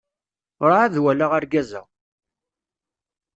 Urɛad walaɣ argaz-a.